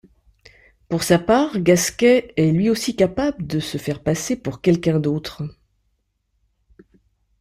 Pour sa part, Gasquet est lui-aussi capable de se faire passer pour quelqu'un d'autre.